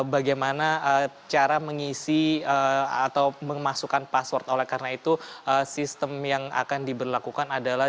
bagaimana cara mengisi atau memasukkan password oleh karena itu sistem yang akan diberlakukan adalah